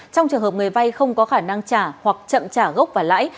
trong trường hợp người vay không có khả năng trả hoặc chậm trả gốc và lãi